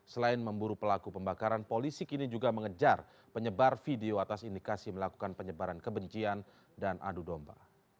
selain memburu pelaku pembakaran polisi kini juga mengejar penyebar video atas indikasi melakukan penyebaran kebencian dan adu domba